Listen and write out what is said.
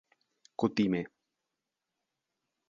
kutime